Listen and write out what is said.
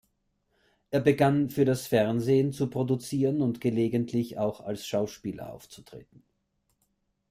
Er begann für das Fernsehen zu produzieren und gelegentlich auch als Schauspieler aufzutreten.